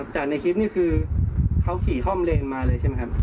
ในคลิปนี้คือเขาขี่ฮ่อมเลนมาเลยใช่ไหมครับ